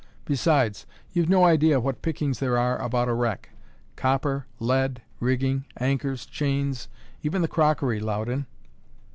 Besides, you've no idea what pickings there are about a wreck copper, lead, rigging, anchors, chains, even the crockery, Loudon!"